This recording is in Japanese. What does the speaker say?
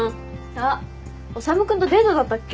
あっ修君とデートだったっけ。